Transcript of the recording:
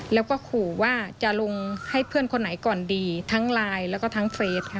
แล้วก็ขู่ว่าจะลงให้เพื่อนคนไหนก่อนดีทั้งไลน์แล้วก็ทั้งเฟสค่ะ